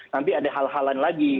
nanti ada hal hal lain lagi